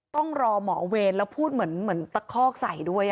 ต้องรอหมอเวรแล้วพูดเหมือนตะคอกใส่ด้วย